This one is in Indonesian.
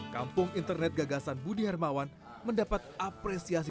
kampung internet gagasan budi hermawan mendapat apresiasi